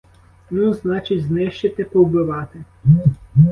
Ну, значить, знищити, повбивати.